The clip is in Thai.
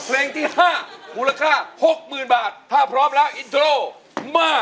เพลงที่๕มูลค่า๖๐๐๐บาทถ้าพร้อมแล้วอินโทรมา